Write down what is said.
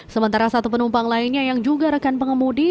sementara satu penumpang lainnya yang juga rekan pengemudi